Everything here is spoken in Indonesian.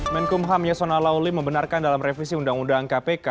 menkumham yasona lawli membenarkan dalam revisi undang undang kpk